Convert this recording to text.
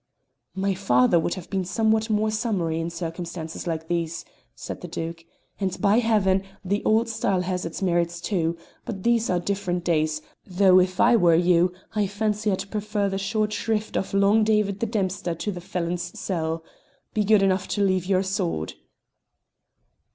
"My father would have been somewhat more summary in circumstances like these,", said the Duke, "and, by Heaven! the old style had its merits too; but these are different days, though, if I were you, I fancy I'd prefer the short shrift of Long David the dempster to the felon's cell. Be good enough to leave your sword."